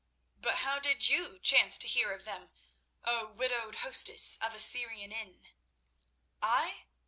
But how did you chance to hear of them, O widowed hostess of a Syrian inn?" "I?